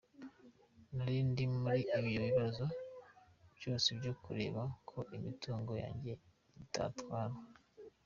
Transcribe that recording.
Nari ndi muri ibyo bibazo byose byo kureba ko imitungo yanjye itatwarwa.